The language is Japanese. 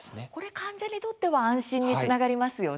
患者にとっては安心につながりますよね。